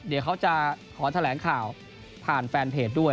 เดี๋ยวเขาจะขอแถลงข่าวผ่านแฟนเพจด้วย